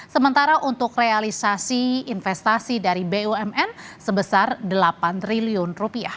sementara untuk realisasi investasi dari bumn sebesar rp delapan triliun